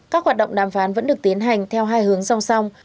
các hoạt động đàm phán vẫn được tiến hành theo hai hướng song song